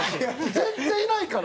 全然いないから。